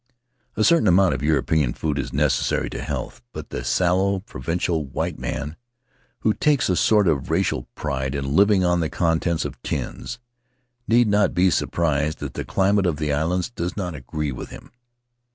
A certain amount of European food is necessary to health, but the sallow, provincial white man, who takes a sort of racial pride in living on the contents of tins, need not be surprised that the climate of the islands does not agree with him.